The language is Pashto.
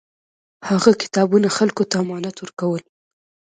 هغه کتابونه خلکو ته امانت ورکول.